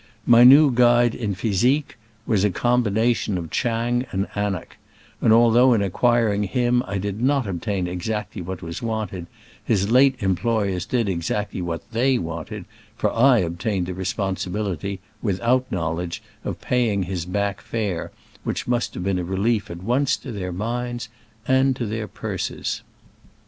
My new guide in physique was a combination of Chang and Anak ; and although in ac quiring him I did not obtain exactly what was wanted, his late employers did exactly what they wanted, for I ob tained the responsibility, without know ledge, of paying his back fare, which must have been a relief at once to their minds and to their purses.